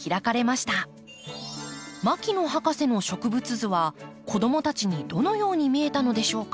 牧野博士の植物図は子どもたちにどのように見えたのでしょうか？